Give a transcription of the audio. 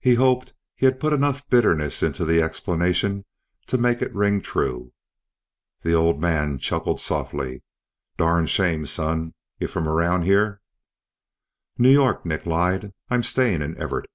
He hoped he had put enough bitterness into the explanation to make it ring true. The old man chuckled softly. "Durned shame, son. Y'from around here?" "New York," Nick lied. "I'm stayin' in Everett."